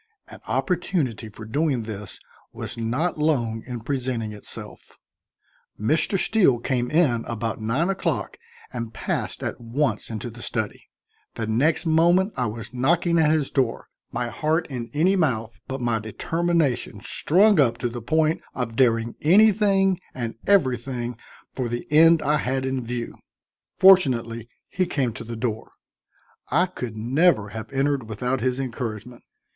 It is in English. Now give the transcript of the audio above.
An opportunity for doing this was not long in presenting itself. Mr. Steele came in about nine o'clock and passed at once into the study. The next moment I was knocking at his door, my heart in any mouth, but my determination strung up to the point of daring anything and everything for the end I had in view. Fortunately he came to the door; I could never have entered without his encouragement.